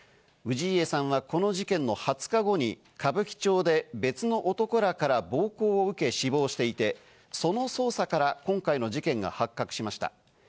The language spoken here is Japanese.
氏家さんはこの事件の２０日後に歌舞伎町で別の男らから暴行を受け死亡していて、その捜査から今回の事件が発覚しました。